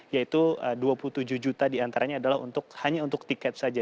yaitu rp dua puluh tujuh diantaranya adalah hanya untuk tiket saja